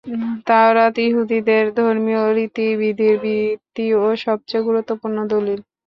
তাওরাত ইহুদীদের ধর্মীয় রীতি-বিধির ভিত্তি ও সবচেয়ে গুরুত্বপূর্ণ দলিল।